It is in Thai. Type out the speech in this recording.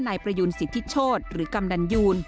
นายประยูนสิทธิโชธหรือกำนันยูน